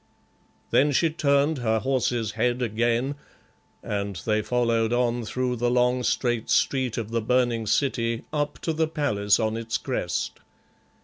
Then she turned her horse's head again, and they followed on through the long straight street of the burning city, up to the palace on its crest.